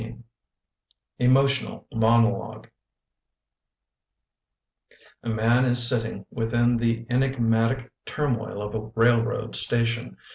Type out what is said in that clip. EMOTIONAL MONOLOGUE A man is sitting within the enigmatic turmoil of a rail road station.